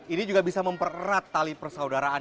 ini juga bisa mempererat tali persaudaraan